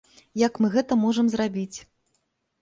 Як мы гэта можам зрабіць?